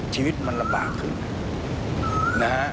ชีวิตมันระบากขึ้นนะ